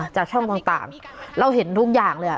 จากช่องต่างเราเห็นทุกอย่างเลย